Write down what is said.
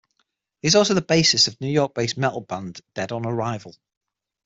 He is also the bassist of the New York-based metal band Dead on Arrival.